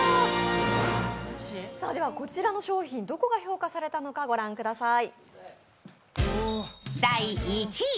こちらの商品どこが評価されたのかご覧ください。